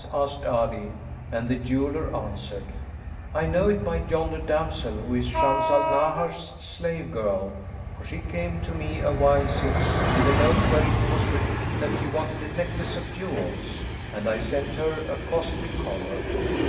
asked Ali; and the jeweller answered, "I know it by yonder damsel who is Shams al Nahar's slave girl; for she came to me a while since with a note wherein was written that she wanted a necklace of jewels; and I sent her a costly collar."